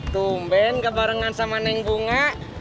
tumben kebarengan sama neng bunga